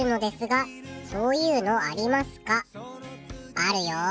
あるよ。